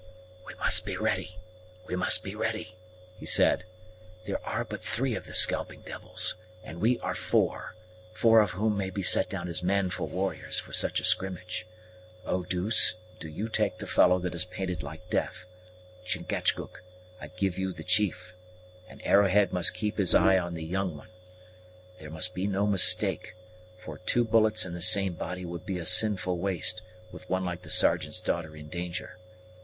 "We must be ready, we must be ready," he said. "There are but three of the scalping devils, and we are five, four of whom may be set down as manful warriors for such a skrimmage. Eau douce, do you take the fellow that is painted like death; Chingachgook, I give you the chief; and Arrowhead must keep his eye on the young one. There must be no mistake, for two bullets in the same body would be sinful waste, with one like the Sergeant's daughter in danger.